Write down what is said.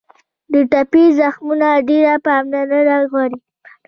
د ټپي زخمونه ډېره پاملرنه غواړي.